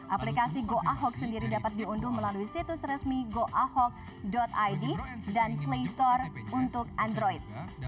aplikasi goahok sendiri dapat diunduh melalui situs resmi goahok id dan playstore untuk android